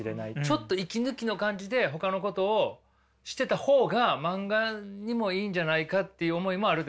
ちょっと息抜きの感じでほかのことをしてた方が漫画にもいいんじゃないかっていう思いもあるってことですか。